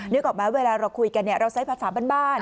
นึกออกไหมเวลาเราคุยกันเราใช้ภาษาบ้าน